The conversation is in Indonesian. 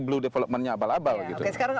blue development nya abal abal gitu oke sekarang